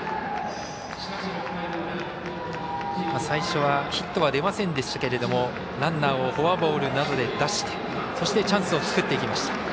最初はヒットは出ませんでしたけどもランナーをフォアボールなどで出してそしてチャンスを作っていきました。